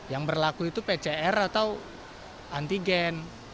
yang berlaku itu pcr atau antigen